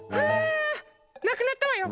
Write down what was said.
なくなったわよ。